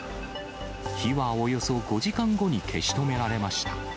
火はおよそ５時間後に消し止められました。